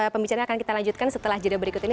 pembicaraan akan kita lanjutkan setelah jadwal berikut ini